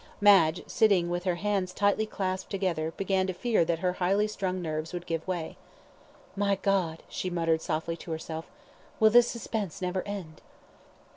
Madge, sitting with her hands tightly clasped together, began to fear that her highly strung nerves would give way. "My God," she muttered softly to herself; "will this suspense never end?"